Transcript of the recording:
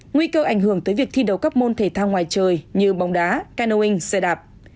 nguy cơ ảnh hưởng tới việc thi đấu các môn thể thao ngoài trời như bóng đá canoeing xe đạp